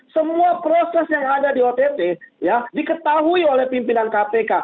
semua proses yang ada di ott diketahui oleh pimpinan kpk